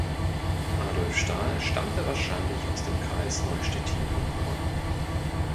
Adolf Stahl stammte wahrscheinlich aus dem Kreis Neustettin in Pommern.